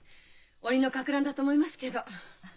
「鬼の霍乱」だと思いますけど。